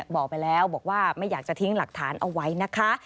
บอกไปแล้วบอกว่าไม่อยากจะทิ้งหลักฐานเอาไว้นะคะ